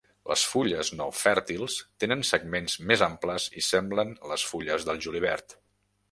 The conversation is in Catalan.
Les fulles no fèrtils tenen segments més amples i semblen les fulles del julivert.